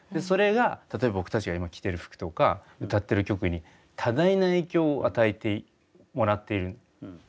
それが例えば僕たちが今着てる服とか歌ってる曲に多大な影響を与えてもらっている。